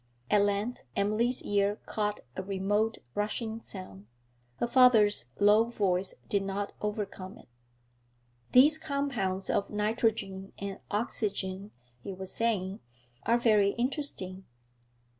At length Emily's ear caught a remote rushing sound; her father's low voice did not overcome it. 'These compounds of nitrogen and oxygen,' he was saying, 'are very interesting.